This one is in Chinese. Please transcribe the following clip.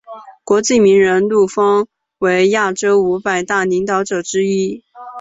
国际名人录封为亚洲五百大领导者之一。